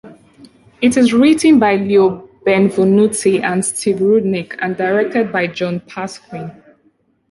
It is written by Leo Benvenuti and Steve Rudnick and directed by John Pasquin.